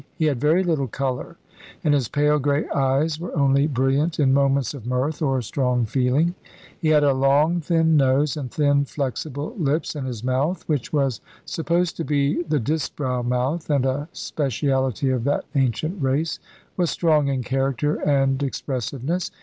He had very little colour, and his pale grey eyes were only brilliant in moments of mirth or strong feeling. He had a long, thin nose, and thin, flexible lips, and his mouth, which was supposed to be the Disbrowe mouth, and a speciality of that ancient race, was strong in character and expressiveness.